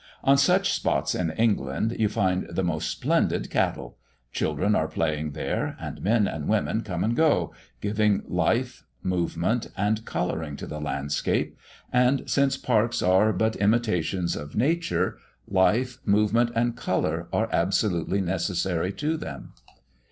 On such spots in England you find the most splendid cattle; children are playing there, and men and women come and go, giving life, movement, and colouring to the landscape; and, since parks are but imitations of nature, life, movement, and colour are absolutely necessary to them.